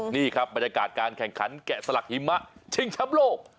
นี่ครับบรรยากาศการแข่งขันแกะสลักหิมะชิงช้ำโลก